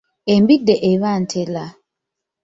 Embidde eba nteera.